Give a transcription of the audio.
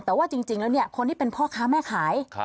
แต่ว่าจริงแล้วเนี่ยคนที่เป็นพ่อค้าแม่ขาย